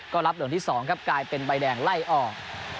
ก็รับเหลืองที่๒ครับกลายเป็นใบแดงไล่ออก